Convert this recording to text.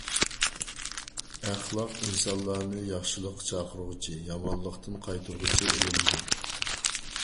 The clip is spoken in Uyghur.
ئەخلاق ئىنسانلارنى ياخشىلىققا چاقىرغۇچى، يامانلىقتىن قايتۇرغۇچى ئىلىمدۇر.